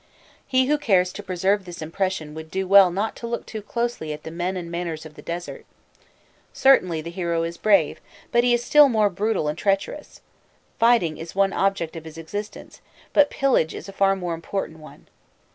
He who cares to preserve this impression would do well not to look too closely at the men and manners of the desert. Certainly the hero is brave, but he is still more brutal and treacherous; fighting is one object of his existence, but pillage is a far more important one.